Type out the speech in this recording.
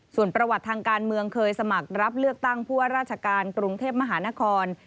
ส่วนประวัติทางการเมืองเคยสมัครรับเลือกตั้งผู้ว่าราชการกรุงเทพมหานคร